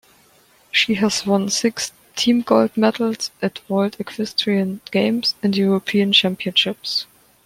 She has won six team gold medals at World Equestrian Games and European Championships.